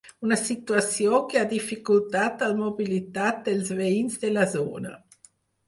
Una situació que ha dificultat al mobilitat dels veïns de la zona.